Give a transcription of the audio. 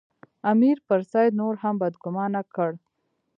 امیر پر سید نور هم بدګومانه کړ.